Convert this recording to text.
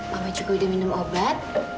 mama cukup minum obat